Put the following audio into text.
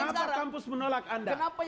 kenapa kampus menolak anda